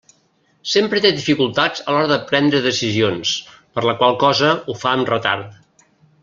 Sempre té dificultats a l'hora de prendre decisions, per la qual cosa ho fa amb retard.